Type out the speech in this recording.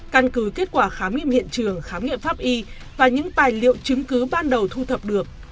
căn cứ kết quả khám nghiệm hiện trường khám nghiệm pháp y và những tài liệu chứng cứ ban đầu thu thập được